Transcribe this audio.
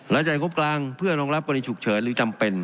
จ่ายงบกลางเพื่อรองรับกรณีฉุกเฉินหรือจำเป็น